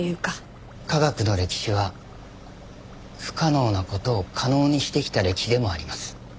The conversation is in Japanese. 科学の歴史は不可能な事を可能にしてきた歴史でもあります。